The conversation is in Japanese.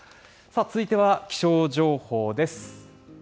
続いては気象情報です。